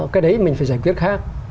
cái đấy mình phải giải quyết khác